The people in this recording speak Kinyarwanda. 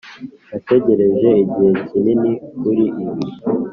nategereje igihe kinini kuri ibi.